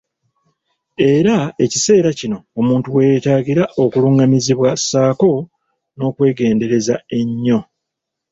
Era ekiseera kino omuntu we yeetaagira okulungamizibwa saako n'okwegendereza ennyo!